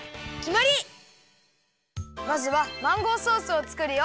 まずはマンゴーソースをつくるよ。